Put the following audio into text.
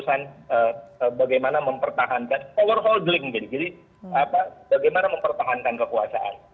jadi bagaimana mempertahankan kekuasaan